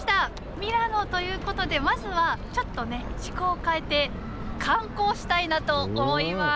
ミラノということでまずはちょっとね趣向を変えて観光したいなと思います。